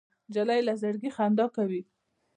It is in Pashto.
نجلۍ له زړګي خندا کوي.